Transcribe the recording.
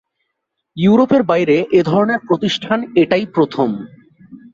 ইউরোপের বাইরে এ ধরনের প্রতিষ্ঠান এটাই প্রথম।